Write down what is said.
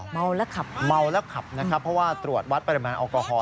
เมาแล้วขับเมาแล้วขับนะครับเพราะว่าตรวจวัดปริมาณแอลกอฮอล